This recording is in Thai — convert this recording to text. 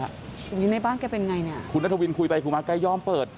อย่างนี้ในบ้านแกเป็นไงเนี่ยคุณนัทวินคุยไปคุยมาแกยอมเปิด